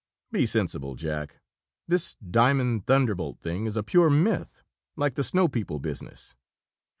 "Be sensible, Jack. This Diamond Thunderbolt thing is a pure myth, like the snow people business.